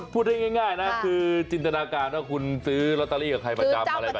พูดได้ง่ายนะคือจินตนาการว่าคุณซื้อลอตเตอรี่กับใครประจำอะไรไป